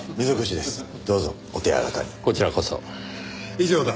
以上だ。